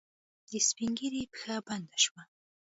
د سپينږيري پښه بنده شوه.